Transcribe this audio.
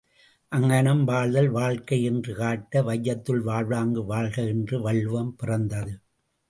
அங்ஙனம் வாழ்தல் வாழ்க்கை என்று காட்ட, வையத்துள் வாழ்வாங்கு வாழ்க! என்று வள்ளுவம் பிறந்தது.